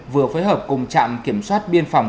vừa phối hợp cùng trạm kiểm soát biên phòng